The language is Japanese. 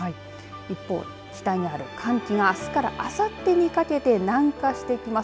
一方、北にある寒気があさってにかけて南下してきます。